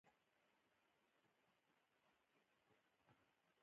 د غزني او هرات ښارونه د اسلامي تمدن مهم مرکزونه وو.